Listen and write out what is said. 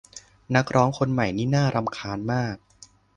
นักร้องคนใหม่นี่น่ารำคาญมาก